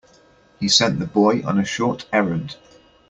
He sent the boy on a short errand.